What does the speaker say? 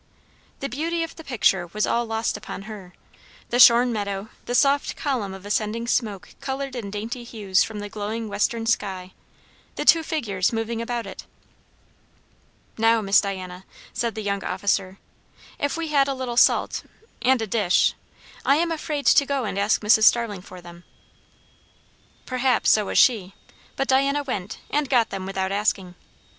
The beauty of the picture was all lost upon her: the shorn meadow, the soft column of ascending smoke coloured in dainty hues from the glowing western sky, the two figures moving about it. "Now, Miss Diana," said the young officer. "If we had a little salt, and a dish I am afraid to go and ask Mrs. Starling for them!" Perhaps so was she; but Diana went, and got them without asking.